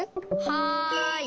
はい。